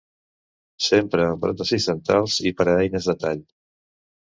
S'empra en pròtesis dentals i per a eines de tall.